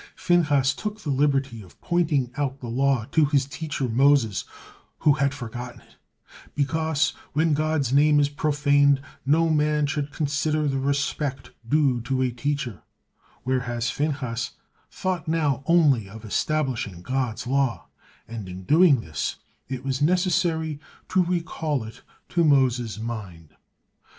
Phinehas took the liberty of pointing out the law to his teacher Moses who had forgotten it, because, "when God's name is profaned, no man should consider the respect due to a teacher," wherefore Phinehas thought now only of establishing God's law, and in doing this it was necessary to recall it to Moses' mind.